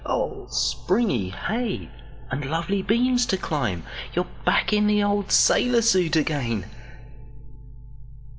Oh, springy hay, and lovely beams to climb! You're back in the old sailor suit again.